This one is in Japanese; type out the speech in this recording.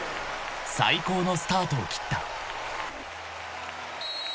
［最高のスタートを切った］